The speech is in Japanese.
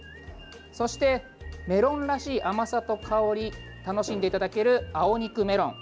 そして、メロンらしい甘さと香り楽しんでいただける青肉メロン。